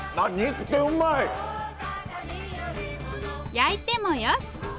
焼いてもよし！